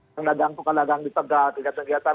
pendagang pendagang di tegal kegiatan kegiatan